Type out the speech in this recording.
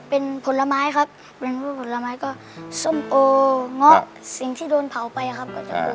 เป็นผลไม้ครับเป็นผลไม้ก็ส้มโอเงาะสิ่งที่โดนเผาไปครับ